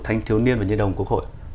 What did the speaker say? thanh thiếu niên và nhân đồng quốc hội